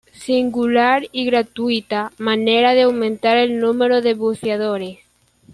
Singular y gratuita manera de aumentar el número de buceadores.